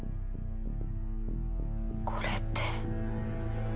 これって。